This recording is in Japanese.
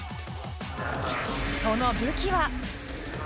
その武器は。